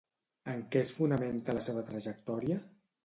En què es fonamenta la seva trajectòria?